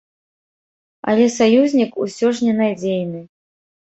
Але саюзнік усё ж ненадзейны.